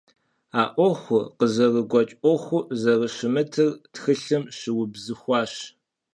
А Ӏуэхур къызэрыгуэкӀ Ӏуэхуу зэрыщымытыр тхылъым щыубзыхуащ.